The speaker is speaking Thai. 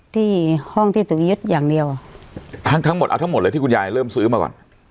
ที่ห้องที่ถูกยึดอย่างเดียวทั้งทั้งหมดเอาทั้งหมดเลยที่คุณยายเริ่มซื้อมาก่อน